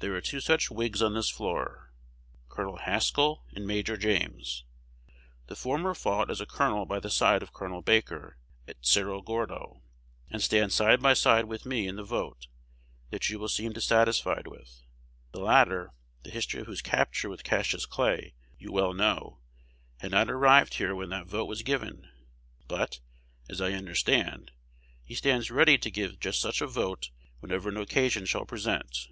There are two such Whigs on this floor (Col. Haskell and Major James). The former fought as a colonel by the side of Col. Baker, at Cerro Gordo, and stands side by side with me in the vote that you seem dissatisfied with. The latter, the history of whose capture with Cassius Clay you well know, had not arrived here when that vote was given; but, as I understand, he stands ready to give just such a vote whenever an occasion shall present.